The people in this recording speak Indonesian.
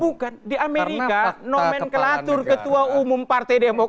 bukan di amerika nomen klatur ketua umum partai demokrat